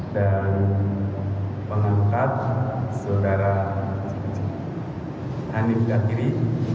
dan mengangkat saudara hanif dhaniri